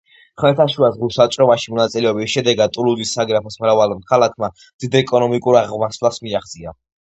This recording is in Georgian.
ხმელთაშუა ზღვის ვაჭრობაში მონაწილეობის შედეგად ტულუზის საგრაფოს მრავალმა ქალაქმა დიდ ეკონომიკურ აღმასვლას მიაღწია.